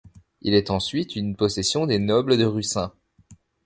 Il est ensuite une possession des nobles de Russin.